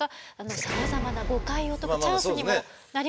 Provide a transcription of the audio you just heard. さまざまな誤解を解くチャンスにもなりますので。